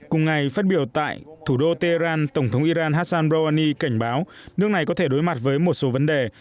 cùng ngày phát biểu tại thủ đô tehran tổng thống iran hassan rouhani cảnh báo nước này có thể đối mặt với một số vấn đề